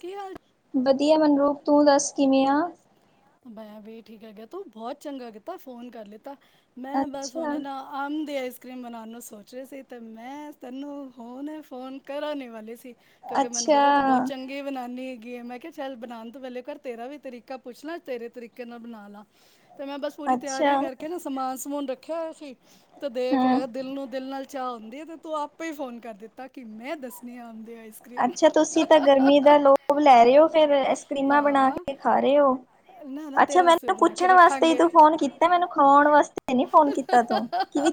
ਕੀ ਹਾਲ ਵਧੀਆ ਮਨਰੂਪ ਤੂੰ ਦੱਸ ਕਿਵੇ ਆਂ? ਮੈਂ ਵੀ ਠੀਕ ਹੈਗਾ ਤੂੰ ਬਹੁਤ ਚੰਗਾ ਕੀਤਾ ਫੋਨ ਕਰ ਲਿੱ -। ਮੈਂ ਬਸ ਅੱਛਾ, ਹੁਨੇ ਨਾ ਆਮ ਦੇ ਕਰੀਮ ਬਨਾਨ ਨੂੰ ਸੋਚ ਰਈ ਸੀ ਤੇ ਮੈਂ ਤੈਨੂੰ ਹੁਨੇ ਫੋਨ ਕਰਨ ਈ ਵਾਲੀ ਸੀ। ਕਿਉਂਕਿ ਮੈਨੂੰ ਪਤਾ ਤੂੰ ਬਹੁਤ ਅੱਛਾ, ਚੰਗੀ ਬਨਾਨੀ ਹੈਗੀ ਏ ਮੈਂ ਕਿਆ ਚਲ ਬਨਾਉ ਵੇਲੇ ਘਰ ਤੇਰਾ ਵੀ ਤਰੀਕਾ ਪੁੱਛ ਲਾਂ ਤੇਰੇ ਤਰੀਕੇ ਨਾਲ ਬਨਾ ਲਾ। ਤੇ ਮੈਂ ਬਸ ਪੂਰੀ ਤਿਆਰੀ ਅੱਛਾ ਕਰਕੇ ਨਾ ਸਮਾਨ ਸਮੂਨ ਰੱਖਿਆ ਸੀ ਤੇ ਦੇਖ ਹਾਂ ਲੈ ਦਿਲ ਨੂੰ ਦਿਲ ਨਾਲ ਚਾ ਆਦੀ ਆ ਤੇ ਤੂੰ ਆਪੇ ਫੋਨ ਕਰ ਦਿੱਤਾ ਕਿ ਮੈਂ ਦੱਸਨੀ ਆ। ਦੀ ਆਈਸ ਕਰ੍ਰੀਮ ਅੱਛਾ ਤੁਸੀਂ ਤਾਂ ਜਦੋਂ ਗਰਮੀ ਤੁਸੀਂ ਦਾ ਲੋਭ ਗਰਮੀ ਲੈ ਦਾ ਰਏ ਓ ਲੋਭ ਫੇਰ ਲੈ ਰਹੇ ਹੋ, ਫਿਰ ਐਸਕਰ੍ਰੀਮਾਂ ਬਣਾ ਮੈਂ ਤੇਰੇ ਕੇ ਖਾ ਰਹੇ ੳ। ਰਸੋਈਆਂ ਬਣਾ ਕੇ ਖਾ ਰਹੀ ਹਾਂ ਨਾ ਨਾ ਅੱਛਾ ਤੇਰਾ ਮੈਨ ਵਾਸਤੇ ਤ ਬਣਾ ਕੇ ਪੁੱਛਣ ਵਾਸਤੇ ਰੱਖਾਂਗੇ। ਤੂੰ ਫੋਨ ਵਾਸਤੇ ਹੀ ਕੀਤਾ ਤੂੰ ਮੈਨੂੰ ਫੋਨ ਖਾਉਣ ਕੀਤਾ, ਮੈਨੂੰ ਵਾਸਤੇ ਨੀ ਖਵਾਉਣ ਫੋਨ ਕੀਤਾ ਤੂੰ ਕਿਵੇ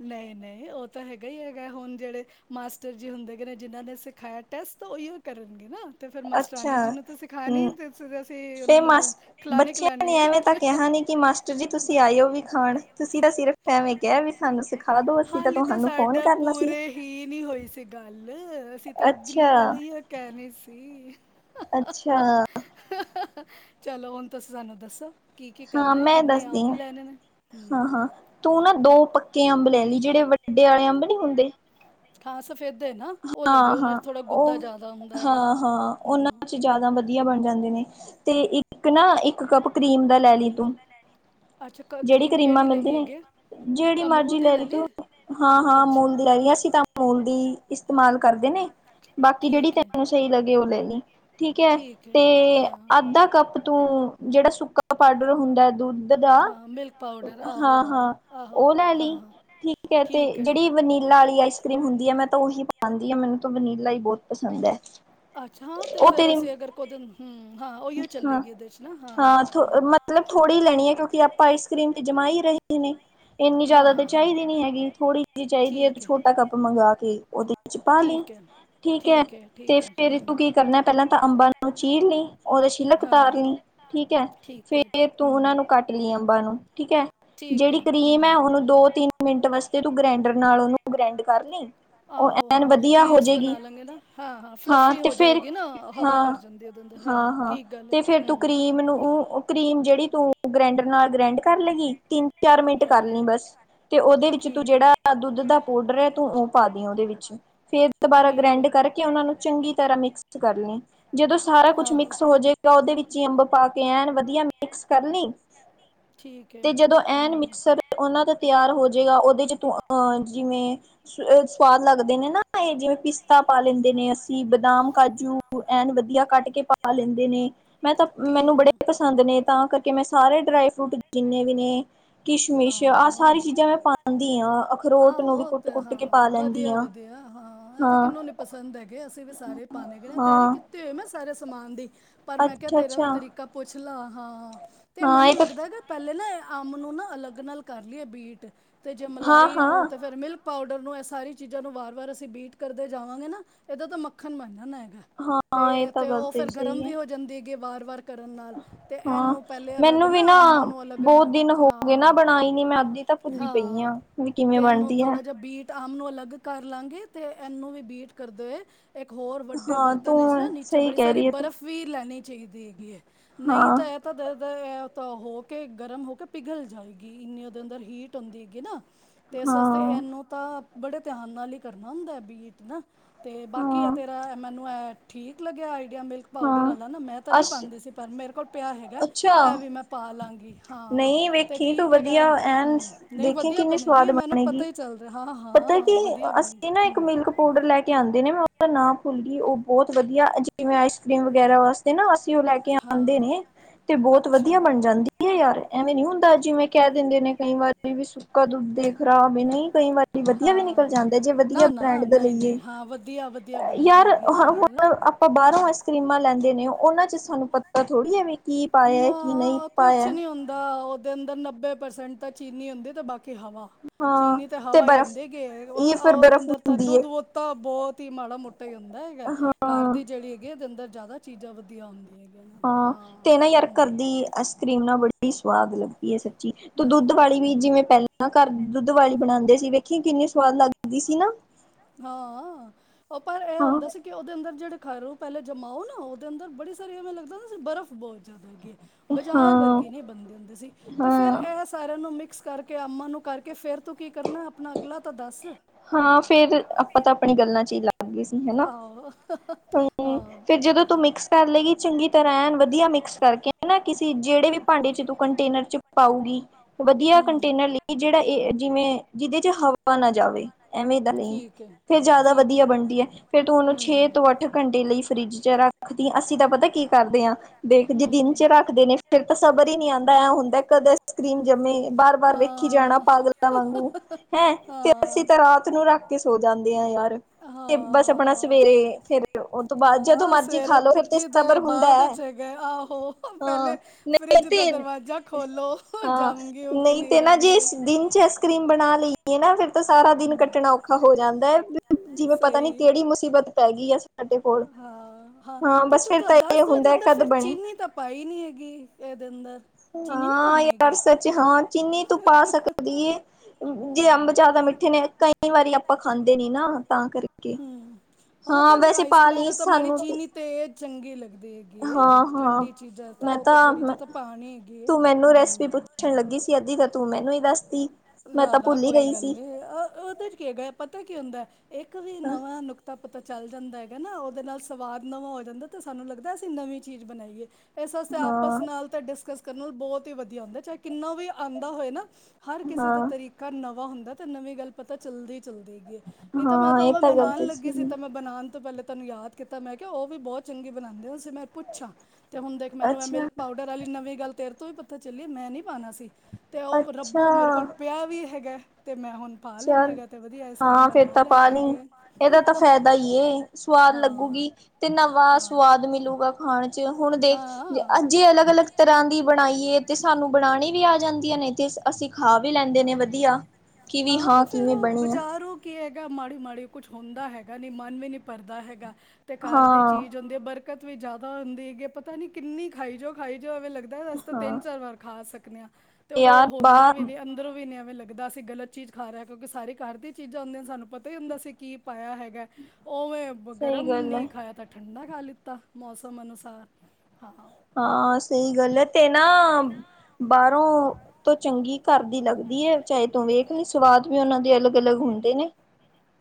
ਨਹੀਂ ਨਹੀਂ ਉਹ ਤਾਂ ਹੈਗਾ ਹੀ ਹੈਗਾ ਹੁਨ ਜਿਹੜੇ ਮਾਸਟਰ ਜੀ ਹੁੰਦੇ ਗ ਨੇ ਜਿਨਾਂ ਨੇ ਸਿਖਾਇਆ ਟੈਸਟ ਤਾਂ ਉਹੀਓ ਕਰਨਗੇ ਨਾ। ਤੇ ਫਿਰ ਅੱਛਾ ਮਾਸਟਰਾਨੀ ਜਿਹਨੂੰ ਤਾਂ ਸਿਖਾਆਨੀ ਹੂੰ ਤੇ ਫਿਰ ਅਸੀਂ ਉਹਨਾ ਫੇਰ ਨੂੰ ਮਾਸ ਖਲਾਨੀ ਬੱਚਿਆਂ ਨੇ ਖਲਨੀ ਐਵੇਂ ਤਾਂ ਕਿਹਾ ਨੀ ਕਿ ਮਾਸਟਰ ਜੀ ਤੁਸੀਂ ਆਇਓ ਵੀ ਖਾਣ ਤੁਸੀਂ ਤਾਂ ਸਿਰਫ ਐਵੇਂ ਕਿਆ ਵੀ ਸਾਨੂੰ ਸਿਖਾ ਦੋ ਅਸੀਂ ਹਾਲੀ ਤਾਂ ਤੁਹਾਨੂੰ ਫੋਨ ਸਾਡਾ ਕਰਨਾ ਸੀ। ਪੂਰੇ ਹੀ ਨਹੀਂ ਹੋਈ ਸੀ ਗੱਲ ਅਸੀਂ ਤਾਂ ਅਗਲੀ ਅੱਛਾ, ਗੱਲ ਕਹਿਨੀ ਸੀ। ਅੱਛਾ। ਚਲੋ ਹੁਨ ਤੁਸੀਂ ਸਾਨੂੰ ਦੱਸੋ? ਕੀ ਕੀ ਹਾਂ ਕਰਨਾ ਹੈ, ਮੈਂ ਕਿੰਨੇ ਦੱਸਦੀ ਅੰਬ ਆ ਲੈਣੇ ਨੇ ਹਾਂ ਹਮ ਹਾਂ ਤੂੰ ਨਾ ਦੋ ਪ ਤੇ ਅੰਬ ਲੈ ਲੀ ਜਿਹੜੇ ਵੱਡੇ ਵਾਲੇ ਅੰਬ ਨਹੀਂ ਹੁੰਦੇ ਹਾਂ ਸਫੈਦ ਹਾਂ ਹਾਂ ਉਹ ਹੁੰਦਾ ਹੈਗਾ ਹਾਂ ਹਾਂ ਹਮ ਉਹਨਾਂ ਚ ਜ਼ਿਆਦਾ ਵਧ ਵਧੀਆ ਬਨ ਜਾਂਦੇ ਨੇ ਤੇ ਇੱਕ ਨਾ ਇੱਕ ਕੱਪ ਕਰੀਮ ਦਾ ਲੈ ਲੀ ਤੂੰ ਅੱਛਾ ਕ ਜਿਹੜੀ ਕਰੀਮ ਕਰੀਮਾਂ ਕੇੜੀ ਮਿਲਦੀ ਲੈਨੀਂ ਨੇ ਹੈਗੀ ਜਿਹੜੀ ਮਰਜ਼ੀ ਅਮੂਲ ਦੀ ਲੈ ਲਈ ਤੂੰ ਲੀਏ ਹਾਂ ਹਾਂ ਅਮੂਲ ਦੀ [unintelligible] ਅਸੀਂ ਤਾਂ ਅਮੂਲ ਦੀ ਇਸਤੇਮਾਲ ਕਰਦੇ ਨੇ ਬਾਕੀ ਜੇੜੀ ਠੀਕ ਹੈ। ਤੈਨੂੰ ਸਈ ਲੱਗੇ ਓ ਲੈ ਲਈ ਠੀਕ ਏ ਤੇ ਅੱਧਾ ਕੱਪ ਤੂੰ ਜੇੜਾ ਸੁੱਕਾ ਪਾਡਰ ਹੁੰਦਾ ਦੁੱਧ ਦਾ ਹਾਂ ਮਿਲਕ ਪਾਊਡਰ ਹਾਂ-ਹਾਂ ਆਹੋ-ਆਹੋ-ਆਹੋ ਉਹ ਲੈ ਲਈ ਹਾਂ ਠੀਕ ਐ ਤੇ ਜੇੜੀ ਵਨੀਲਾ ਆਲੀ ਆਈਸ ਕਰ੍ਰੀਮ ਹੁੰਦੀ ਹੈ ਮੈਂ ਤਾਂ ਓਹੀ ਪਾਂਦੀ ਆ ਮੈਨੂੰ ਤਾਂ ਵਨੀਲਾ ਈ ਬੋਤ ਪਸੰਦ ਐ। ਅੱਛਾ ਤੇ ਫੇਰ ਅਸੀਂ ਅਗਰ ਕੋ ਦਿਨ ਹੂੰ ਹਾਂ ਓਹੀਓ ਚੱਲੇਗੀ ਏਦੇ ਚ ਨਾ ਹਾਂ, ਹਾਂ। ਮਤਬ ਥੋੜੀ ਲੈਨੀ ਐ ਕਿਉੰਕਿ ਆਪ ਕਰੀਮ ਤੇ ਜਮਾ ਹੀ ਰਹੇ ਨੇ। ਇੰਨੀ ਹਾਂ ਜਾਦਾ ਤੇ ਹਾਂ ਹਾਂ ਚਾਈਦੀ ਨੀ ਹੈਗੀ ਥੋੜੀ ਜੀ ਚਾਈਦੀ ਏ ਇਕ ਠੀਕ ਹੈ। ਛੋਟਾ ਕੱਪ ਮੰਗਾ ਤੇ ਓਦੇ ਵਿੱਚ ਪਾ ਲੀ ਠੀਕ ਹੈ ਠੀਕ ਏ ਹੈ ਤੇ ਠੀਕ ਹੈ ਫੇਰ ਤੂੰ ਹਮ। ਕੀ ਕਰਨਾ ਪਹਿਲਾਂ ਤਾਂ ਅੰਬਾ ਨੂੰ ਚੀਰ ਲੀ ਓਦਾ ਛਿਲਕ ਤਾਰ ਹਾਂ ਲੀ ਠੀਕ ਏ ਠੀਕ ਹੈ ਫੇਰ ਤੂੰ ਹਮ ਓਨਾ ਨੂੰ ਕੱਟ ਲੀ ਅੰਬਾਂ ਨੂੰ ਠੀਕ ਹੈ ਜੇੜੀ ਕਰੀਮ ਏ ਹਮ ਓਨੂੰ ਦੋ ਤਿੰਨ ਮਿੰਟ ਵਸ ਗ੍ਰੈਂਡਰ ਨਾਲ ਓਨੂੰ ਗ੍ਰੈਂਡ ਕਰ ਲਈ ਉਹ ਐਨ ਆਹੋ-ਆਹੋ ਵਧੀਆ ਹੋ ਪੀਕਸ ਬਨਾ ਜਾਏਗੀ ਲਾਂਗੇ ਨਾ ਹਾਂ ਹਾਂ ਫਲੱਫੀ ਹੋ ਜਾਏਗੀ ਨਾ ਹਵਾ ਭਰ ਜਾਂਦੀ [unintelligible] ਹਾਂ-ਹਾਂ ਠੀਕ ਗੱਲ ਹੈ ਤੇ ਫੇਰ ਤੂੰ ਹਮ ਕਰੀਮ ਨੂੰ ਉ ਕਰੀਮ ਜੇ ਤੂੰ ਗ੍ਰੈਂਡਰ ਨਾਲ ਗ੍ਰੈਂਡ ਕਰ ਲੇਗੀ ਤਿੰਨ ਚਾਰ ਮਿੰਟ ਕਰ ਹਾਂ ਲੀ ਬਸ ਤੇ ਓਦੇ ਵਿੱਚ ਤੂੰ ਠੀਕ ਹੈ ਜੇੜਾ ਦੁੱਧ ਦਾ ਪੋਡਰ ਐ ਤੂੰ ਓ ਪਾ ਦੀ ਓਦੇ ਵਿੱਚ ਫੇਰ ਦੁਬਾਰਾ ਠੀਕ ਹੈ ਗ੍ਰੈਂਡ ਕਰਕੇ ਓਨਾਂ ਨੂੰ ਚੰਗੀ ਤਰ੍ਹਾਂ ਮਿਕਸ ਕਰ ਲਈ। ਜਦੋਂ ਸਾਰਾ ਕੁੱਛ ਮਿਕਸ ਹੋਜੇਗਾ ਓਦੇ ਵਿੱਚ ਈ ਅੰਬ ਪਾ ਕੇ ਐਨ ਵਦੀਆ ਮਿਕਸ ਕਰ ਲੀ ਠੀਕ ਏ। ਤੇ ਜਦੋਂ ਐਨ ਮਿਕਸਰ ਓਨਾਂ ਤੋਂ ਤਿਆਰ ਹੋਜੇਗਾ ਓਦੇ ਚ ਤੂੰ ਅ ਜਿਵੇਂ [unintelligible] ਸਵਾਦ ਲੱਗਦੇ ਨੇ ਨਾ ਏ ਜਿਵੇਂ ਪਿਸਤਾ ਪਾ ਲੈਂਦੇ ਨੇ ਅਸੀਂ ਬਦਾਮ ਕਾਜੂ ਐਨ ਵਦੀਆ ਕੱਟ ਕੇ ਪਾ ਲੈਂਦੇ ਨੇ ਮੈਂ ਤਾਂ ਮੈਨੂੰ ਠੀਕ ਹੈ। ਬੜੇ ਪਸੰਦ ਨੇ ਤਾਂ ਕਰਕੇ ਮੈਂ ਸਾਰੇ ਡਰਾਈ ਫਰੂਟ ਜਿੰਨੇ ਵੀ ਨੇ ਕਿਸ਼ਮਿਸ਼ ਆਹ ਸਾਰੀ ਚੀਜ਼ਾਂ ਮੈਂ ਪਾਂਦੀ ਆ ਅਖਰੋਟ ਨੂੰ ਵੀ ਕੁੱਟ-ਕੁੱਟ ਕੇ ਪਾ ਲੈਣ। ਵਦੀਆ ਵਦੀਆ ਹਾਂ ਐ ਤਾਂ ਕਿਨੂੰ ਨੀ ਪਸੰਦ ਹੈਗੇ ਅਸੀਂ ਵੀ ਸਾਰੇ ਪਾਣੇਗੇ ਨਾ ਹਾਂ [unintelligible] ਮੈਂ ਸਾਰੇ ਸਮਾਨ ਦੀ ਪਰ ਮੈਂ ਕਿਆ ਅੱਛਾ ਤੇਰਾ ਵੀ ਅੱਛਾ ਤਰੀਕਾ ਪੁੱਛ ਲਾ ਹਾਂ। ਤੇ ਹਾਂ ਇਹ ਮੈਨੂੰ ਤਾਂ ਲੱਗਦਾ ਗ ਪਹਿਲੇ ਨਾ ਅੰਮ ਨੂੰ ਨਾ ਅਲੱਗ ਨਾਲ ਕਰ ਲਈਏ ਬੀਟ ਤੇ ਜੇ ਹਾਂ ਮਲਾਈ ਨੂੰ ਹਾਂ ਤੇ ਫੇਰ ਮਿਲ ਪਾਊਡਰ ਨੂੰ ਐ ਸਾਰੀ ਚੀਜ਼ਾਂ ਨੂੰ ਵਾਰ-ਵਾਰ ਅਸੀਂ ਬੀਟ ਕਰਦੇ ਜਾਵਾਂਗੇ ਨਾ ਏਦਾ ਤਾਂ ਮੱਖਣ ਬਨ ਜਾਨਾ ਐ। ਹਾਂ। ਇਹ ਤਾਂ ਤੇ-ਤੇ ਗੱਲ ਤੇਰੀ ਓਫਿਰ ਗਰਮ ਸਹੀ ਹੈ ਵੀ ਹੋ ਜਾਂਦੀ ਗੇ ਵਾਰ-ਵਾਰ ਕਰਨ ਨਾਲ ਤੇ ਹਾਂ ਐਨੂੰ ਪੇਲੇ ਅਲੱਗ ਮੈਨੂੰ ਵੀ ਨਾ ਅਮਾ ਨੂੰ ਅਲੱਗ ਨਾ ਬਹੁਤ ਦਿਨ ਹੋ ਗਏ ਹਾਂ ਨਾ ਬਣਾਈ ਨੀ ਮੈਂ ਅੱਧੀ ਤਾਂ ਭੁੱਲੀ ਪਈ ਹਾਂ ਆ ਵੀ ਕਿਵੇਂ ਤੇ ਇਹਨੂੰ ਬਣਦੀ ਹੈ ਥੋੜਾ ਜਿਹਾ ਬੀਟ ਆਮ ਨੂੰ ਅਲੱਗ ਕਰ ਲਾਂਗੇ ਤੇ ਐਨੂੰ ਵੀ ਬੀਟ ਕਰਦੇ ਓਏ ਇੱਕ ਹੋਰ ਵੱਡੇ ਹਾਂ ਬਰਤਨ ਇਸ ਨਾ ਤੂੰ ਨੀਚੇ ਸਹੀ ਬੜੀ ਕਹਿ ਸਾਰੀ ਰਹੀ ਹੈ ਤੂੰ ਬਰਫ਼ ਵੀ ਲੈਣੀ ਚਾਹੀਦੀ ਹੈਗੀ ਐ ਨਹੀਂ ਹਾਂ ਤਾਂ ਐ ਤਾਂ ਦਰਦ ਤਾਂ ਹੋ ਕੇ ਗਰਮ ਹੋ ਕੇ ਪਿਘਲ ਜਾਏਗੀ ਇੰਨੀ ਓਦੇ ਅੰਦਰ ਹੀਟ ਹੁੰਦੀ ਹੈਗੀ ਨਾ ਤੇ ਇਸ ਵਾਸਤੇ ਹਾਂ ਏਨੂੰ ਤਾਂ ਬੜੇ ਧਿਆਨ ਨਾਲ ਹੀ ਕਰਨਾ ਹੁੰਦਾ ਬੀਟ ਨਾ ਤੇ ਬਾਕੀ ਆ ਹਾਂ ਤੇਰਾ ਮੈਨੂੰ ਐ ਠੀਕ ਲੱਗਿਆ ਆਈ ਮਿਲਕ ਪਾਊਡਰ ਹਾਂ ਆਲਾ ਨਾ ਮੈਂ ਤਾਂ ਅ ਨੀ ਪਾਂਦੀ ਸੀ ਪਰ ਮੇਰੇ ਕੋਲ ਪਿਆ ਹੈਗਾ ਅੱਛਾ ਐ ਵੀ ਮੈਂ ਪਾ ਲਾਂਗੀ। ਹਾਂ ਨਹੀਂ ਤੇ ਵੇਖੀ ਤੂੰ ਠੀਕ ਹੈਗਾ ਵਧੀਆ ਐਨ ਹੂੰ ਨਈ ਦੇਖੀ ਵਧੀਆ ਕਿੰਨੀ ਬਣੇਗੀ ਸਵਾਦ ਮੈਨੂੰ ਪਤਾ ਈ ਚੱਲ ਰਿਆ। ਪਤਾ ਕਿ ਅਸੀਂ ਨਾ ਇੱਕ ਮਿਲਕ ਪੋਡਰ ਲੈ ਕੇ ਆਂਦੇ ਨੇ ਓਦਾ ਨਾਮ ਭੁੱਲ ਗੀ ਓ ਬੋਤ ਵਦੀਆ ਜਿਵੇਂ ਆਈਸ ਕਰ੍ਰੀਮ ਵਗੈਰਾ ਵਾਸਤੇ ਨਾ ਅਸ ਕੀ ਓ ਲੈ ਕੇ ਆਂਦੇ ਨੇ ਤੇ ਹਾਂ ਬੋਤ ਅੱਛਾ ਵਧੀਆ ਬਣ ਜਾਂਦੀ ਐ ਯਾਰ ਐਵੇਂ ਨੀ ਹੁੰਦਾ ਜਿਵੇਂ ਕੈ ਦਿੰਦੇ ਨੇ ਕਈ ਵਾਰੀ ਵੀ ਸੁੱਕਾ ਦੁੱਧ ਖਰਾਬ ਈ ਨਈ ਕਈ ਵਾਰੀ ਵਧੀਆ ਵੀ ਨਿਕਲ ਹਾਂ, ਜਾਂਦਾ ਜੇ ਵਧੀਆ ਬ੍ਰਾਂਡ ਨਾ-ਨਾ, ਦਾ ਨਈ-ਨਈ ਲਈਏ ਹਾਂ ਵਦੀਆ-ਵਦੀਆ ਬਣਦੀ ਯਾਰ ਹੈਗੀ ਉਹਦੇ ਹ- ਨਾਲ ਨਾ। ਹੁਣ ਆਪਾਂ ਹਾਂ ਬਾਹਰੋਂ ਆਈਸਕ੍ਰੀਮਾਂ ਲੈਂਦੇ ਨੇ ਉਹਨਾਂ ਚ ਸਾਨੂੰ ਪਤਾ ਥੋੜ੍ਹੀ ਏ ਵੀ ਕੀ ਪਾਇਆ ਕੀ ਨਹੀਂ ਪਾਇਆ? ਦੇ ਅੰਦਰ ਨੱਬੇ ਪ੍ਰਸੈਂਟ ਤਾਂ ਚੀਨੀ ਹੁੰਦੀ ਤੇ ਬਾਕੀ ਕੇ ਹਵਾ ਹਾਂ ਚੀਨੀ ਤੇ ਹਵਾ ਹੀ ਬਰਫ਼ ਹੁੰਦੀ ਗੇ ਇਹ ਫਿਰ ਉਹਦੇ ਬਰਫ਼ ਅੰਦਰ ਤਾਂ ਹੁੰਦੀ ਦੁੱਧ ਹੈ ਬੁੱ ਤਾਂ ਬਹੁਤ ਮਾੜਾ ਮੋਟਾ ਹੀ ਹੁੰਦਾ ਹੈਗਾ ਘਰ ਹਾਂ ਦੀ ਜਿਹੜੀ ਹੈਗੀ ਆ ਉਹਦੇ ਅੰਦਰ ਜ਼ਿਆਦਾ ਚੀਜ਼ਾਂ ਵਧੀਆ ਹੁੰਦੀ ਏ ਹਾਂ ਤੇ ਨਾ ਯਾਰ ਘਰਦੀ ਆਈਸਕ੍ਰੀਮ ਨਾਲ ਬੜੀ ਸਵਾਦ ਲੱਗਦੀ। ਸੱਚੀ ਤੇ ਹਾਂ ਦੁੱਧ ਹੂੰ ਵਾਲੀ ਵੀ ਜਿਵੇਂ ਪਹਿਲਾਂ ਘਰ ਦੁੱਧ ਵਾਲੀ ਬਣਾਉਂਦੇ ਸੀ ਵੇਖੀ ਕਿੰਨੀ ਸਵਾਦ ਲੱਗ ਹਾਂ ਉਹ ਪਰ ਇਹ ਹਾਂ ਹੁੰਦਾ ਸੀ ਕਿ ਉਹਦੇ ਅੰਦਰ ਜਿਹੜੇ ਖਰੋ ਪਹਿਲੇ ਜਮਾਓ ਨਾ ਉਹਦੇ ਅੰਦਰ ਬੜੀ ਸਾਰੀਵੇਂ ਲੱਗਦਾ ਨਾ ਬਰਫ਼ ਬਹੁਤ ਜ਼ਿਆਦਾ ਹੈਗੀ! ਬਾਜ਼ਾਰ ਹਾਂ ਵਰਗੀ ਨਹੀਂ ਬਣਦੀ ਹੁੰਦੀ ਸੀ ਤੇ ਫੇਰ ਹਾਂ ਇਹ ਸਾਰਿਆਂ ਨੂੰ ਮਿਕ- ਇਸ ਕਰਕੇ ਅਮਾ ਨੂੰ ਕਰਕੇ ਫੇਰ ਤੂੰ ਕੀ ਕਰਨਾ ਆਪਣਾ ਅਗਲਾ ਤਾਂ ਦੱਸ ਹਾਂ ਫੇਰ ਅਪਾਂ ਤਾਂ ਅਪਣੀ ਗੱਲਾਂ ਚ ਹੀ ਲੱਗ ਗਏ ਸੀ ਹੈਨਾ। ਆਹੋ ਹੂੰ ਹਾਂ। ਫੇਰ ਜਦੋਂ ਤੂੰ ਮਿਕਸ ਕਰ ਲੇਗੀ ਚੰਗੀ ਤਰ੍ਹਾਂ ਐਨ ਵਦੀਆ ਮਿਕਸ ਕਰਕੇ ਨਾ ਕਿਸੇ ਜਿਹੜੇ ਵੀ ਭਾਂਡੇ ਚ ਤੂੰ ਕੰਟੇਨਰ ਚ ਪਾਊਗੀ ਵਦੀਆ ਕੰਟੇਨਰ ਲਈ ਜਿਹੜਾ ਇਹ ਜਿਵੇਂ ਜਿਹਦੇ ਚੇ ਹਵਾ ਨ ਜਾਵੇ ਐਵੇਂ ਦਾ ਲਈ ਠੀਕ ਹੈ ਫੇਰ ਜ਼ਿਆਦਾ ਠੀਕ ਹੈ ਵਦੀਆ ਬਣਦੀ ਐ ਫੇਰ ਤੂੰ ਉਹਨੂੰ ਛੇ ਹੂੰ। ਤੋਂ ਅੱਠ ਘੰਟੇ ਲਈ ਫ਼ਰੀਜ਼ ਚ ਰੱਖਦੀ ਅਸੀਂ ਤਾਂ ਪਤਾ ਕੀ ਕਰਦੇ ਹਾਂ ਦੇਖ ਜੇ ਦਿਨ ਚ ਫਰਿੱਜ ਰੱਖਦੇ ਨੇ ਫੇਰ ਤਾਂ ਸਬਰ ਈ ਨੀ ਆਂਦਾ। ਐ ਹੁੰਦਾ ਕਦੇ ਐਸ ਕਰੀਮ ਜੰਮੇ ਬਾਰ ਬਾਰ ਵੇਖੀ ਜਾਣਾ ਬਾਹਰ ਪਾਗਲਾਂ ਵਾਂਗੂ ਹੈਂ ਤੇ ਅਸੀ ਹਾਂ। ਤਾ ਰਾਤ ਨੂੰ ਰੱਖ ਕੇ ਸੋ ਜਾਂਦੇ ਆ ਯਾਰ ਹਾਂ। ਤੇ ਬਸ ਹਾਂ, ਆਪਣਾ ਹਾਂ। ਸਵੇਰੇ ਫੇਰ- ਉਹ ਤੋਂ ਬਾਅਦ ਜਦੋਂ ਹਾਂ ਮਰਜੀ‌ ਖਾ ਸਵੇਰੇ ਲੋ ਫਿਰ ਤੇ ਪੁੱਠੀ ਸਬਰ ਦੇ ਹੁੰਦਾ ਬਾਅਦ ਹੈ ਚ ਗਏ ਆਹੋ ਹਾਂ ਪਹਿਲੇ ਫਰਿੱਜ ਦਾ ਨਹੀਂ ਦਰਵਾਜ਼ਾ ਖੋਲੋ ਹਾਂ ਜਾਊਂਗੇ ਉਹ ਕਿ ਨਹੀਂ ਤੇ ਨਾ ਜੇ ਜਾਊਂਗੇ। ਦਿਨ ਚ ਆਈਸਕ੍ਰੀਮ ਬਣਾ ਲਈਏ ਨਾ ਫੇਿਰ ਤਾਂ ਸਾਰਾ ਦਿਨ ਕੱਟਣਾ ਔਖਾ ਹੋ ਜਾਂਦਾ। ਜਿਵੇਂ ਪਤਾ ਨਹੀਂ ਸਹੀ ਕਿਹੜੀ ਮੁਸੀਬਤ ਪੈ ਗਈ ਏ ਸਾਡੇ ਕੋਲ ਹੈ ਹਾਂ ਹਾਂ ਤੇ ਬਸ ਫਿਰ ਤਾਂ ਤੂੰ ਇਹ ਦੱਸ ਦੋ ਇਹਦੇ ਹੁੰਦਾ ਅੰਦਰ ਕਦ ਫਰ ਬਣੇ ਚੀਨੀ ਤਾਂ ਪਾਈ ਨੀ ਹੈਗੀ ਇਹਦੇ ਅੰਦਰ ਚੀਨੀ ਨਹੀਂ ਹਾਂ ਪਾਣੀ ਹੈਗੀ ਯਾਰ ਸੱਚ ਹਾਂ ਚੀਨੀ ਤੂੰ ਪਾ ਸਕਦੀ ਏ- ਜੇ ਅੰਬ ਜ਼ਿਆਦਾ ਮਿੱਠੇ ਨੇ ਕਈ ਵਾਰੀ ਆਪਾਂ ਖਾਂਦੇ ਨੀ ਨਾ ਤਾਂ ਕਰਕੇ ਹੂੰ ਹਾਂ ਪਰ ਵੈਸੇ ਆਇਸ- ਪਾ ਲਈ ਕ੍ਰੀਮ ਤਾਂ ਮਾੜੀ ਸਾਨੂੰ ਤੇ ਚੀਨੀ ਤੇਜ਼ ਚੰਗੀ ਲੱਗਦੀ ਹੈਗੀ ਏ ਹਾਂ-ਹਾਂ ਠੰਡੀ ਚੀਜ਼ਾਂ ਤਾਂ ਉਹ ਤਾਂ ਥੋੜੀ ਜਿਹੀ ਤਾ- ਤੂੰ ਮੈਨੂੰ ਰੈਸਿਪੀ ਪੁੱਛਣ ਲੱਗੀ ਸੀ ਅੱਧੀ ਤਾਂ ਤੂੰ ਮੈਨੂੰ ਹੀ ਦੱਸ ਤੀ ਨਾ-ਨਾ ਕੋਈ ਗੱਲ ਨੀ ਉਹਦੇ ਚ ਕੇ ਗ ਪਤਾ ਕੀ ਹੁੰਦਾ ਇੱਕ ਵੀ ਹਾਂ। ਨਵਾਂ ਨੁਕਤਾ ਪਤਾ ਚੱਲ ਜਾਂਦਾ ਹੈਗਾ ਨਾ ਉਹਦੇ ਨਾਲ ਸਵਾਦ ਨਵਾਂ ਹੋ ਜਾਂਦਾ ਤਾਂ ਸਾਨੂੰ ਲੱਗਦਾ ਅਸੀਂ ਨਵੀਂ ਚੀਜ਼ ਬਣਾਈ ਏ! ਇਸ ਵਾਸਤੇ ਆਪਸ ਹਾਂ, ਨਾਲ ਤੇ ਡਿਸਕਸ ਕਰਨ ਨਾਲ ਬਹੁਤ ਹੀ ਵਧੀਆ ਹੁੰਦਾ ਚਾਹੇ ਕਿੰਨਾ ਵੀ ਆਂਦਾ ਹੋਏ ਨਾ ਹਰ ਕਿਸੇ ਦਾ ਤਰੀਕਾ ਨਵਾਂ ਹੁੰਦਾ ਤਾਂ ਨਵੀਂ ਗੱਲ ਪਤਾ ਚੱਲਦੀ ਚੱਲਦੀ ਹੈਗੀ ਨਹੀਂ ਤਾਂ ਮੈਂ ਹਾਂ ਤਾਂ ਇਹ ਉਵੇਂ ਗੱਲ ਬਣਾਉਣ ਤੇ ਲੱਗੀ ਸਹੀ ਸੀ ਐ ਤਾਂ ਮੈਂ ਬਣਾਣ ਤੋਂ ਪਹਿਲਾਂ ਤੁਹਾਨੂੰ ਯਾਦ ਕੀਤਾ ਮੈਂ ਕਿਹਾ ਉਹ ਵੀ ਬਹੁਤ ਚੰਗੀ ਬਣਾਉਂਦੇ ਮੈਂ ਪੁੱਛਾਂ? ਤੇ ਹੁਣ ਦੇਖ ਮੈਨੂੰ ਅੱਛਾ, ਮਿਲਕ ਪਾਊਡਰ ਵਾਲੀ ਨਵੀਂ ਗੱਲ ਤੇਰੇ ਤੋਂ ਵੀ ਪਤਾ ਚੱਲੀ ਮੈਂ ਨੀ ਪਾਣਾ ਸੀ ਅਤੇ ਉਹ ਅੱਛਾ ਰੱਬੋ ਮੇਰੇ ਕੋਲ ਪਿਆ ਵੀ ਹੈਗਾ। ਤੇ ਮੈਂ ਹੁਣ ਪਾ ਲੈਣਾ ਚੱਲ ਹੈਗਾ ਤੇ ਵਧੀਆ ਆਈਸ ਕਰ੍ਰੀਮ ਹਾਂ ਫੇਰ ਬਣਾ ਤਾਂ ਪਾ ਲੈਣੀ ਹੈਗੇ ਲਈ। ਇਹਦਾ ਤਾਂ ਫਾਇਦਾ ਈ ਏ ਸਵਾਦ ਹਾਂ ਲੱਗੂਗੀ ਤੇ ਨਵਾਂ ਹਾਂ ਸਵਾਦ ਮਿਲੂਗਾ ਖਾਣ ਚ ਹੁਣ ਦੇਖ ਹਾਂ ਅਜੇ ਅਲੱਗ-ਅਲੱਗ ਤਰ੍ਹਾਂ ਤਰ੍ਹਾਂ ਦੀ ਬਣਾਈਏ ਤੇ ਸਾਨੂੰ ਬਣਾਣੀ ਵੀ ਆ ਜਾਂਦੀਆਂ ਨੇ ਤੇ ਅਸੀਂ ਖਾ ਵੀ ਲੈਂਦੇ ਨੇ ਵਧੀਆ ਕਿ ਵੀ ਹਾਂ ਤੇ ਫੇਰ ਕਿਵੇਂ ਉਹ ਬਣੀ ਆ ਬਾਜ਼ਾਰ ਉਹ ਕੀ ਹੈਗਾ ਮਾੜੀ-ਮਾੜੀ ਕੁਛ ਹੁੰ ਹੈਗਾ ਨੀ ਮਨ ਵੀ ਨੀ ਭਰਦਾ ਹੈਗਾ ਤੇ ਘਰ ਦੀ ਹਾਂ। ਚੀਜ਼ ਹੁੰਦੀ ਬਰਕ- ਵੀ ਜ਼ਿਆਦਾ ਹੁੰਦੀ ਹੈਗੀ ਪਤਾ ਨੀ ਕਿੰਨੀ ਖਾਈ ਜਾ ਖਾਈ ਜਾਵੇ ਲੱਗਦਾ ਅਸ ਤਾਂ ਹਾਂ ਤਿੰਨ ਚਾਰ ਵਾਰ ਖਾ ਸਕ- ਤੇ ਉਹ ਯਾਰ ਹੁੰਦਾ ਬਾਹ ਵੀ ਨੀਂ- ਵੀ ਨਹੀਂ ਐਵੇਂ ਲੱਗਦਾ ਅਸੀਂ ਗਲਤ ਚੀਜ਼ ਖਾ ਰਹੇ ਕਿਉਂਕਿ ਸਾਰੇ ਘਰ ਦੀਆਂ ਚੀਜ਼ਾਂ ਹੁੰਦੀਆਂ ਸਾਨੂੰ ਪਤਾ ਹੀ ਹੁੰਦਾ ਸੀ ਕੀ ਪਾਇਆ ਹੈਗਾ- ਉਵੇਂ ਸਹੀ ਗਰਮ ਗੱਲ ਹੈ ਨਹੀਂ ਖਾਇਆ ਤਾਂ ਠੰਡਾ ਖਾ ਲਿੱਤਾ ਮੌਸਮ ਅਨੁਸਾਰ ਹਾਂ- ਹਾਂ ਸਹੀ ਗੱਲ ਹੈ ਤੇ ਨਾ ਬਾਹਰੋਂ ਤੋਂ ਚੰਗੀ ਘਰ ਦੀ ਲੱਗਦੀ- ਚਾਹੇ ਤੂੰ ਵੇਖ ਸਵਾਦ ਵੀ ਉਹਨਾਂ ਦੇ ਅਲੱਗ-ਅਲੱਗ ਹੁੰਦੇ ਨੇ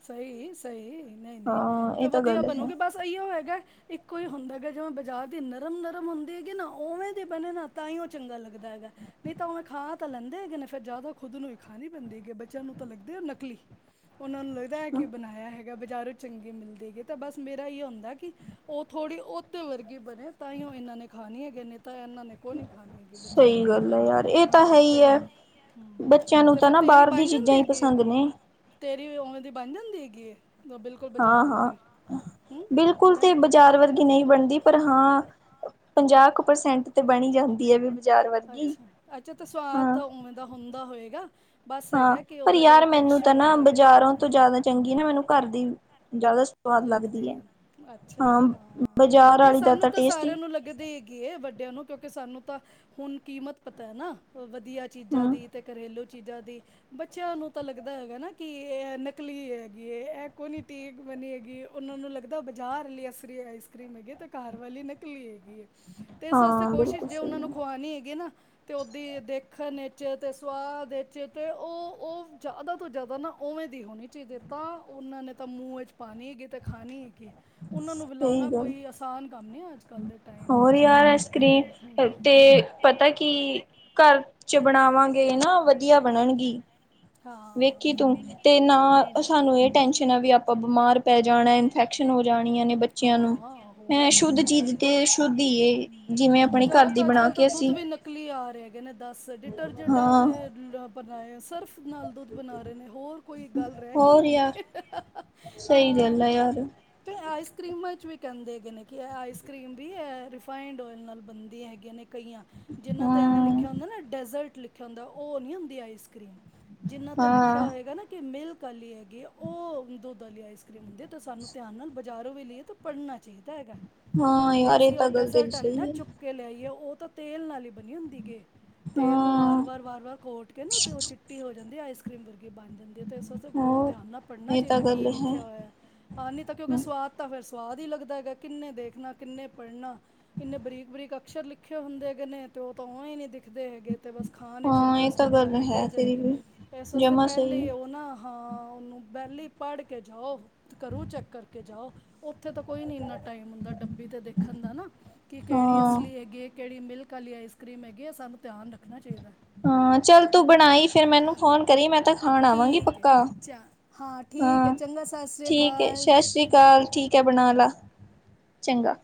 ਸਹੀ-ਸਹੀ ਨਹੀਂ-ਨਹੀਂ ਹਾਂ ਤੇ ਇਹ ਤਾਂ ਵਧੀਆ ਗੱਲ ਹੈ ਬਣੋਗੇ ਬਸ ਇਹੀਓ ਹੈਗਾ ਇੱਕੋ ਹੀ ਹੁੰਦਾ ਗ ਜਿਵੇਂ ਬਾਜਾਰ ਦੀ ਨਰਮ-ਨਰਮ ਹੁੰਦੀ ਹੈਗੀ ਨਾ ਉਵੇਂ ਦੇ ਬਣੇ ਨਾ ਤਾਂ ਹੀ ਉਹ ਚੰਗਾ ਲੱਗਦਾ! ਹੈਗਾ ਨਹੀਂ ਤਾਂ ਉਹਵੇਂ ਖਾ ਤਾਂ ਲੈਂਦੇ ਹੈਗੇ ਨੇ ਫ਼ਿਰ ਜ਼ਿਆਦਾ ਖੁਦ ਨੂੰ ਹੀ ਖਾੀ ਪੈਂਦੀ ਹੈਗੇ ਬੱਚਿਆਂ ਨੂੰ ਤਾਂ ਲੱਗਦੇ ਨਕਲੀ- ਉਹਨਾਂ ਨੂੰ ਲੱਗਦਾ ਹੈ ਕਿ ਬਣਾਇਆ ਹੈਗਾ। ਬਾਜ਼ਾਰੋਂ ਚੰਗੇ ਮਿਲਦਗੇ ਤੇ ਤਾਂ ਬਸ ਮੇਰਾ ਇਹੀਓ ਹੁੰਦਾ ਕਿ ਉਹ ਥੋੜ੍ਹੀ ਉਹਦੇ ਵਰਗੇ ਬਣੇ ਤਾਂਹਿਓ ਇਹਨਾਂ ਨੇ ਖਾਣੀ ਹੈਗੇ ਨੇ ਤਾਂ ਇਹਨਾਂ ਨੇ ਕੋ ਨੀ ਖਾਣੀ ਹੈਗੀ ਬੱਚਿਆਂ ਸਹੀ ਨੇ ਨਾ ਗੱਲ ਹੈ ਯਾਰ ਇਹ ਤਾਂ ਹੈ ਹਾਂ ਹੀ ਤੇ ਹੈ ਬੱਚਿਆਂ ਨੂੰ ਤੇ ਤਾਂ ਫਿਰ ਨਾ ਤੇਰੀ ਬਾਹਰ ਦੀ ਬਣ ਚੀਜ਼ਾਂ ਜਾਂਦੀ ਹੀ ਹੈਗੀ ਹੈ ਪਸੰਦ ਨੇ ਤੇਰੀ ਉਵੇਂ ਦੀ ਬਣ ਜਾਂਦੀ ਹੈਗੀ ਬਿਲਕੁਲ ਹਾਂ ਬਾਜ਼ਾਰ ਹਾਂ ਵਰਗੀ ਹੂੰ ਬਿਲਕੁਲ ਹੈਂ। ਤੇ ਬਾਜ਼ਾਰ ਵਰਗੀ ਨਹੀਂ ਬਣਦੀ ਪਰ ਹਾਂ ਪੰਜਾਹ ਕੁ ਪਰਸੈਂਟ ਤੇ ਬਣੀ ਜਾਂਦੀ ਹੈ ਵੀ ਬਾਜ਼ਾਰ ਵਰਗੀ ਅੱਛਾ ਅੱਛਾ ਤੇ ਸਵਾਦ ਹਾਂ ਉਵੇਂ ਦਾ ਹੁੰਦਾ ਹੋਏਗਾ ਬਸ ਹਾਂ ਹੈਗਾ ਕਿ ਪਰ ਉਹਦਾ ਜਿਹੜਾ ਯਾਰ ਮੈਨੂੰ ਤਾਂ ਟੈਕਸਚਰ ਨਾ ਹੁੰਦਾ ਹੈਗਾ ਹੂੰ। ਬਾਜ਼ਾਰੋਂ ਤੋਂ ਜ਼ਿਆਦਾ ਚੰਗੀ ਨਾ ਮੈਨੂੰ ਘਰ ਦੀ ਜ਼ਿਆਦਾ ਸਵਾਦ ਲੱਗਦੇ ਲੱਗਦੀ ਹੈ ਅੱਛਾ ਹਾਂ ਬਾਜ਼ਾਰ ਨਹੀਂ ਵਾਲੀ ਦਾ ਸਾਨੂੰ ਤਾਂ ਟੇਸਟ ਹੀ ਸਾਰਿਆਂ ਨੂੰ ਲੱਗਦੇ ਗ ਵੱਡਿਆਂ ਨੂੰ ਕਿਉਂਕਿ ਸਾਨੂੰ ਤਾਂ ਹੁਣ ਕੀਮਤ ਪਤਾ ਹੈ ਨਾ ਵਧ ਦੀ ਆ ਚੀਜ਼ਾਂ ਹਮ ਦੀ ਤੇ ਘਰੇਲੂ ਚੀਜ਼ਾਂ ਦੀ ਬੱਚਿਆਂ ਨੂੰ ਤਾਂ ਲੱਗਦਾ ਹੈਗਾ ਨਾ ਕਿ ਇਹ ਨਕਲੀ ਹੈਗੀ ਇਹ ਕੋ ਨੀ ਤੀ ਬ ਹੈਗੀ ਗੀ ਉਹਨਾਂ ਨੂੰ ਲੱਗਦਾ ਬਜ਼ਾਰ ਲਈ ਅਸਰੀ ਆਈਸ ਕਰ੍ਰੀਮ ਹੈਗੀ ਆ ਤਾਂ ਘਰ ਵਾਲੀ ਨਿਕਲੀ ਹੈਗੀ ਏ। ਤੇ ਇਸ ਵਾਸਤੇ ਹਾਂ ਕੋਸ਼ਿਸ਼ ਬਿਲਕੁਲ ਜੇ ਸਹੀ ਉਹਨਾ ਨੂੰ ਹੈ ਖਵਾਣੀ ਹੈਗੀ ਏ ਨਾ ਤੇ ਉਹਦੀ ਦੇਖਣ ਚ ਤੇ ਸੁਵਾਦ ਚ ਤੇ ਉਹ ਉਹ ਜ਼ਿਆਦਾ ਤੋਂ ਜ਼ਿਆਦਾ ਨਾ ਉਵੇਂ ਦਿ ਹੋਨੀ ਚਾਹੀਦੀ ਏ ਤਾਂ ਉਹਨਾਂ ਨੇ ਤਾਂ ਮੂੰਹ ਵਿੱਚ ਪਾਣੀ ਤੇ ਖਾਣੀ ਹੈਗੇ ਉਹਨਾਂ ਨੂੰ ਸਹੀ ਬੁਲਾਣਾ ਗੱਲ ਕੋਈ ਆਸਾਨ ਕੰਮ ਨਹੀਂ ਅੱਜ ਕੱਲ੍ਹ ਦੇ ਟਾਈਮ ਹੋਰ ਵਿੱਚ ਯਾਰ ਤੇ ਹੂੰ ਐੱਸਕਰੀਮ ਤੇ ਪਤਾ ਕੀ ਘਰ ਚ ਬਣਾਵਾਂਗੇ ਨਾ ਵਧੀਆ ਹੂੰ ਬਣਨਗੀ ਹਾਂ ਹੂੰ ਵੇਖੀ ਤੂੰ ਹੂੰ ਤੇ ਨਾ ਸਾਨੂੰ ਇਹ ਟੈਸ਼ਨ ਆ ਵੀ ਆਪਾਂ ਬਿਮਾਰ ਪੈ ਜਾਣਾ ਇਨਫੈਕਸ਼ਨ ਹੋ ਜਾਣੀਆਂ ਨੇ ਬੱਚਿਆਂ ਨੂੰ ਹਾਂ-ਹਾਂ ਹੋਰ ਅ ਸ਼ੁੱਧ ਚੀਜ਼ ਤੇ ਸ਼ੁੱਧ ਹੀ ਜਿਵੇਂ ਆਪਣੇ ਘਰ ਦੀ ਅੱਜ ਬਣਾ ਕੱਲ ਤਾਂ ਕੇ ਦੁੱਧ ਅਸੀਂ ਵੀ ਨਕਲੀ ਆ ਰਹੇ ਹੈਗੇ ਨੇ ਦਸ ਡਿਟਰਜੈਂਟਾਂ ਹਾਂ ਦੇ ਬਣਾਏ ਸਰਫ ਨਾਲ ਦੁੱਧ ਬਣਾ ਰਹੇ ਨੇ ਹੋਰ ਕੋਈ ਗੱਲ ਰਹਿ ਗਈ ਹੋਰ ਹੈਗੀ ਯਾਰ ਸਹੀ ਹਾਂ ਗੱਲ ਆ ਯਾਰ ਤੇ ਕਰੀਮਾਂ ਚ ਵੀ ਕਹਿੰਦੇ ਹੈਗੇ ਨੇ ਕਿ ਆਈਸ ਕਰ੍ਰੀਮ ਵੀ ਰਿਫਾਈੰਡ ਓਇਲ ਨਾਲ ਬਣਦੀਆਂ ਹੈਗੀਆਂ ਨੇ ਕਈਆਂ ਜਿਨ੍ਹਾਂ 'ਤੇ ਐਵੇਂ ਹਾਂ ਲਿਖਿਆ ਹੁੰਦਾ ਨਾ ਡੈਜ਼ਰਟ ਲਿਖਿਆ ਹੁੰਦਾ ਉਹ ਨਹੀਂ ਹੁੰਦੀ ਆਈਸ ਕਰ੍ਰੀਮ ਜਿੰਨਾ ਤੇ ਹਾਂ ਲਿਖਿਆ ਹੋਏਗਾ ਨਾ ਕਿ ਮਿਲਕ ਆਲੀ ਹੈਗੀ ਆ ਉਹ ਦੁੱਧ ਵਾਲੀ ਆਈਸ ਕਰ੍ਰੀਮ ਹੁੰਦੀ ਹੈ ਤਾਂ ਸਾਨੂੰ ਧਿਆਨ ਨਾਲ ਬਜ਼ਾਰੋਂ ਵੀ ਲਈਏ ਤਾਂ ਪੜ੍ਹਨਾ ਚਾਹੀਦਾ ਹੈਗਾ ਹਾਂ ਕਿ ਯਾਰ ਇਹ ਅਸੀਂ ਉਹ ਤਾਂ ਗੱਲ ਤੇਰੀ ਡਜੈਰਟ ਵਾਲੀ ਨਾ ਸਹੀ ਹੈ ਚੁੱਕ ਕੇ ਲਿਆਈਏ ਉਹ ਤਾਂ ਤੇਲ ਨਾਲ ਹੀ ਬਣੀ ਹੁੰਦੀ ਗੇ ਤੇਲ ਨੂੰ ਵਾਰ ਹਾਂ ਵਾਰ ਵਾਰ ਵਾਰ ਕੋਟ ਕੇ ਨਾ ਤੇ ਉਹ ਚਿੱਟੀ ਹੋ ਜਾਂਦੀ ਆਈਸ ਕਰ੍ਰੀਮ ਵ ਬਣ ਜਾਂਦੀ ਹੈ ਤੇ ਇਸ ਵਾਸਤੇ ਬਹੁਤ ਹੋਰ ਧਿਆਨ ਨਾਲ ਪੜ੍ਹਨਾ ਇਹ ਤਾਂ ਚਾਹੀਦਾ ਕੀ ਗੱਲ ਲਿਖਿਆ ਹੋਇਆ ਹੈ ਹਾਂ ਨਹੀਂ ਤਾਂ ਕਿਉਂਕਿ ਸਵਾਦ ਤਾਂ ਫਿਰ ਸਵਾਦ ਹੀ ਲੱਗਦਾ ਹੈਗਾ ਕਿੰਨੇ ਦੇਖਣਾ ਕਿੰਨੇ ਪੜ੍ਹਨਾ ਇੰਨੇ ਬਰੀਕ ਬਰੀਕ ਅਕਸ਼ਰ ਲਿਖੇ ਹੁੰਦੇ ਹੈਗੇ ਨੇ ਤੇ ਉਹ ਤਾਂ ਓਇ ਨੀ ਸਿੱਖਦੇ ਹੈਗੇ ਤੇ ਬਸ ਖਾਣ ਵਿੱਚ ਹਾਂ ਇਹ ਇੰਟਰਸਟ ਤਾਂ ਹੁੰਦਾ ਗੱਲ ਪਿਘਲ ਹੈ ਤੇਰੀ ਜਾਏਗੀ ਵੀ ਇਸ ਵਾਸਤੇ ਜਮਾ ਸਹੀ ਪਹਿਲੇ ਉਹ ਨਾ ਹਾਂ ਉਹਨੂੰ ਪਹਿਲੀ ਪੜ੍ਹ ਕੇ ਜਾਓ ਘਰੋਂ ਚੈੱਕ ਕਰਕੇ ਜਾਓ ਉ ਉੱਥੇ ਤਾਂ ਕੋਈ ਨੀ ਇੰਨਾ ਟਾਈਮ ਹੁੰਦਾ ਡੱਬੀ ਤੇ ਦੇਖਣ ਦਾ ਨਾ ਕਿ ਕਿਹੜੀ ਹਾਂ ਅਸਲੀ ਹੈਗੀ ਕਿਹੜੀ ਮਿਲਕ ਕਾਲੀ ਆਈਸ ਕਰ੍ਰੀਮ ਹੈਗੀ ਆ ਸਾਨੂੰ ਧਿਆਨ ਰੱਖਣਾ ਚਾਹੀਦਾ ਹਾਂ ਚੱਲ ਤੂੰ ਬਣਾਈ ਫਿਰ ਮੈਨੂੰ ਫੋਨ ਕਰੀ ਮੈਂ ਤਾਂ ਖਾਣ ਆਵਾਂਗੀ ਠੀਕ ਹੈ ਪੱਕਾ ਚ ਠੀਕ ਹੈ ਹਾਂ ਚੰਗਾ ਸਤਿ ਸ਼੍ਰੀ ਠੀਕ ਹੈ ਅਕਾਲ ਸਤਿ ਸ੍ਰੀ ਅਕਾਲ ਠੀਕ ਹੈ ਬਣਾ ਲਾ ਚੰਗਾ